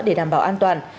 để đảm bảo an toàn